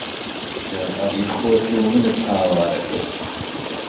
شێخ عەلی خۆت و منت ئاوارە کرد